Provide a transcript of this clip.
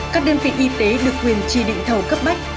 các đơn vị y tế được quyền trì định thầu cấp bách